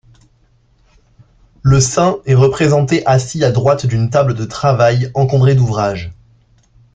Le saint est représenté assis à droite d'une table de travail encombrée d'ouvrages.